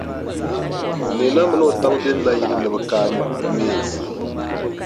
Neena mini o taba be Naayili ni bɛ kaai meensi.